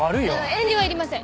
遠慮はいりません。